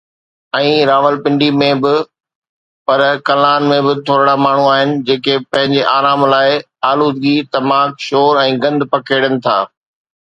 ۽ راولپنڊي ۾ به، پر ڪلان ۾ به ٿورڙا ماڻهو آهن جيڪي پنهنجي آرام لاءِ آلودگي، تماڪ، شور ۽ گند پکيڙين ٿا.